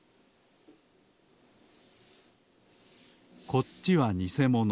こっちはにせもの。